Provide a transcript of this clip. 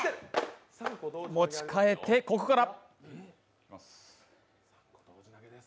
持ち替えて、ここから。